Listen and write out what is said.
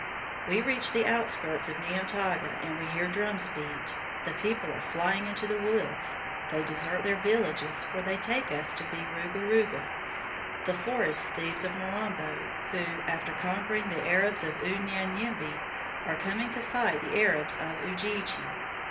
We reach the outskirts of Niamtaga, and we hear drums beat. The people are flying into the woods; they desert their villages, for they take us to be Ruga Ruga the forest thieves of Mirambo, who, after conquering the Arabs of Unyanyembe, are coming to fight the Arabs of Ujiji.